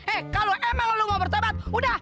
eh kalo emang lu mau bertobat udah